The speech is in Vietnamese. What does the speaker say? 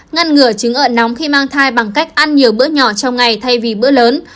ngăn ngửa trứng ợ nóng khi mang thai bằng cách ăn nhiều bữa nhỏ trong ngày thay vì bữa lớn